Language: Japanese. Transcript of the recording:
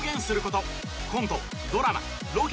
コントドラマロケ。